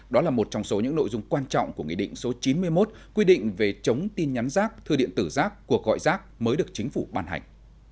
đó là một trong số những nội dung quan trọng của nghị định số chín mươi một quy định về chống tin nhắn rác thư điện tử rác cuộc gọi rác mới được chính phủ ban hành